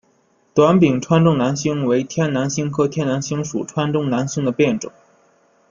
短柄川中南星为天南星科天南星属川中南星的变种。